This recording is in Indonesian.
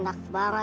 lama tidur ya